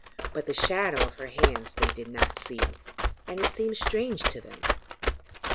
But the shadow of her hands they did not see, and it seemed strange to them.